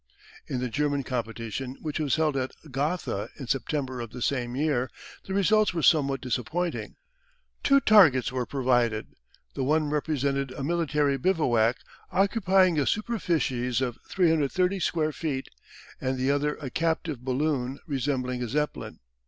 In the German competition which was held at Gotha in September of the same year the results were somewhat disappointing. Two targets were provided. The one represented a military bivouac occupying a superficies of 330 square feet, and the other a captive balloon resembling a Zeppelin.